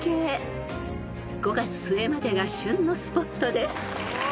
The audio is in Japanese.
［５月末までが旬のスポットです］